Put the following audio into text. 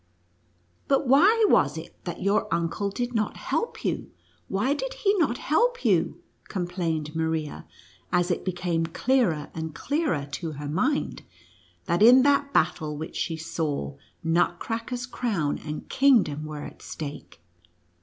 "But why was it that your uncle did not help you? — why did he not help you?" com plained Maria, as it became clearer and clearer to her mind, that in that battle which she saw, Nutcracker's crown and kingdom were at stake.